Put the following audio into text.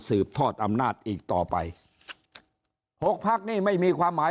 ทอดอำนาจอีกต่อไปหกพักนี่ไม่มีความหมาย